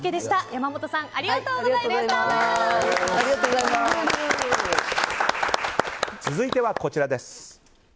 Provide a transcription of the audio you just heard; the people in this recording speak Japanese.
山本さん続いてはこちらです。